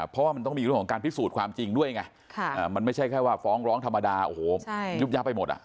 เพราะว่ามันต้องมีเรื่องของการพิสูจน์ความจริงด้วยไงมันไม่ใช่แค่ว่าฟ้องร้องธรรมดาโอ้โหยุบยับไปหมดอ่ะ